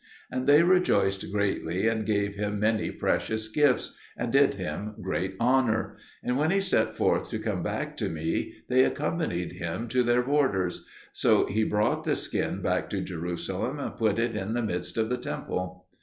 And they rejoiced greatly, and gave him many precious gifts, and did him great honour; and when he set forth to come back to me, they accompanied him to their borders. So he brought the skin back to Jerusalem, and put it in the midst of the temple.